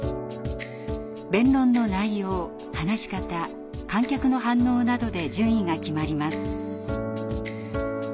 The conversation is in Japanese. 弁論の内容話し方観客の反応などで順位が決まります。